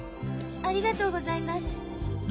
ありがとうございます。